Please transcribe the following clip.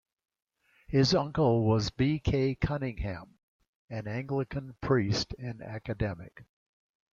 His uncle was B. K. Cunningham, an Anglican priest and academic.